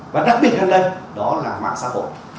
và đặc biệt hơn đây đó là mạng xã hội